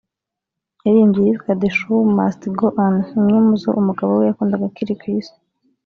yaririmbye iyitwa “The Show Must Go On” imwe mu zo umugabo we yakundaga akiri ku Isi